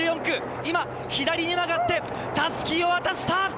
今、左に曲がって襷を渡した。